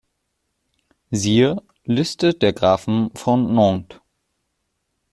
Siehe: Liste der Grafen von Nantes